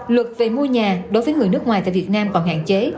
luật về mua nhà đối với người nước ngoài tại việt nam còn hạn chế